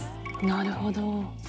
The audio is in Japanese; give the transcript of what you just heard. なるほど。